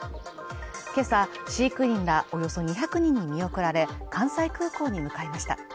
今朝、飼育員らおよそ２００人に見送られ、関西空港に向かいました。